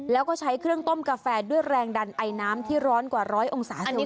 แล้วก็ใช้เครื่องต้มกาแฟด้วยแรงดันไอน้ำที่ร้อนกว่าร้อยองศาเซล